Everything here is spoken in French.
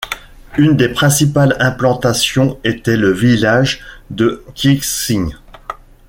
Une des principales implantations était le village de Kiix?in.